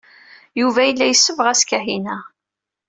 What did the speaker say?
Yuba yella yessebɣas Kahina.